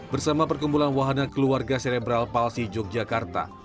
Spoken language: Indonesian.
bersama perkumpulan wahana keluarga serebral palsi yogyakarta